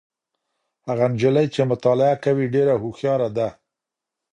هغه نجلۍ چي مطالعه کوي ډېره هوښياره ده.